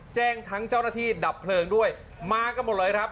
แจ้งทั้งเจ้าหน้าที่ดับเพลิงด้วยมากันหมดเลยครับ